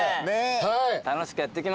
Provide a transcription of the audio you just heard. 楽しくやっていきましょう。